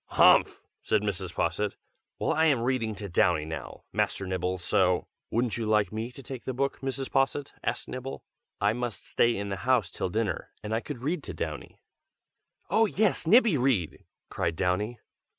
"Humph!" said Mrs. Posset. "Well, I am reading to Downy now, Master Nibble, so " "Wouldn't you like me to take the book, Mrs. Posset?" asked Nibble. "I must stay in the house till dinner, and I could read to Downy." "Oh! yes, Nibby, read!" cried Downy.